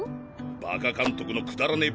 バカ監督のくだらねぇ